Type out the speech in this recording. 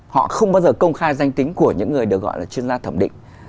họ không bao giờ công khai danh tính của những người được gọi là chuyên gia thẩm định